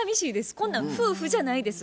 こんなん夫婦じゃないです。